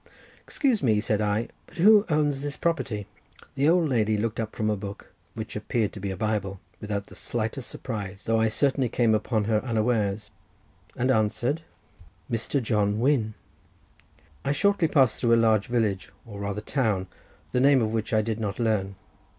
"Excuse me," said I; "but who owns this property?" The old lady looked up from her book, which appeared to be a Bible, without the slightest surprise, though I certainly came upon her unawares, and answered: "Mr. John Wynn." I shortly passed through a large village, or rather town, the name of which I did not learn.